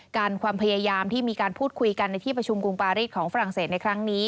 ความพยายามที่มีการพูดคุยกันในที่ประชุมกรุงปารีสของฝรั่งเศสในครั้งนี้